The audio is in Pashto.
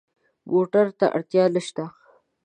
موټر ته اړتیا نه شته.